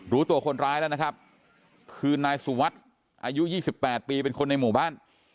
รู้ตัวคนร้ายแล้วนะครับคือนายสุวัสดิ์อายุ๒๘ปีเป็นคนในหมู่บ้าน